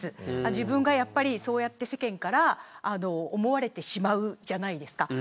自分がそうやって世間から思われてしまうじゃないですか。